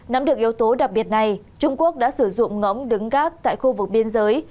nắm được yếu tố đặc biệt này trung quốc đã sử dụng ngỗng đứng gác tại khu vực biên giới